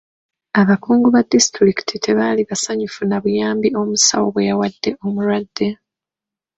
Abakungu ba disitulikiti tebaali basanyufu na buyambi omusawo bwe yawadde omulwadde.